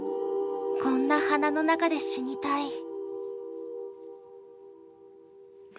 こんな花の中で死にたい。